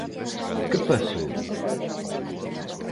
¿Que pasou?